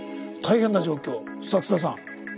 大変な状況さあ津田さん